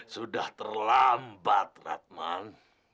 sudah terlambat rahman